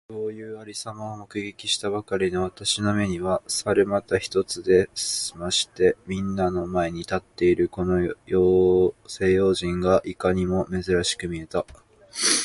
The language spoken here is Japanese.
そういう有様を目撃したばかりの私の眼めには、猿股一つで済まして皆みんなの前に立っているこの西洋人がいかにも珍しく見えた。